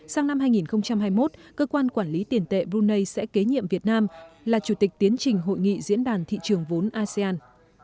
sang năm hai nghìn hai mươi một cơ quan quản lý tiền tệ brunei sẽ kế nhiệm việt nam là chủ tịch tiến trình hội nghị diễn đàn thị trường vốn asean